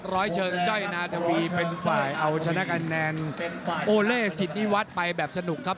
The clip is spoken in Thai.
ร้อยเชิงจ้อยนาธวีเป็นฝ่ายเอาชนะคะแนนโอเล่สิทธิวัฒน์ไปแบบสนุกครับ